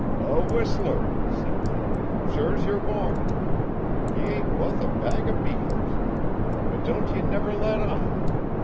'A whistler,' said he, 'sure's yer born. He ain't wuth a bag o' beans. But don't ye never let on.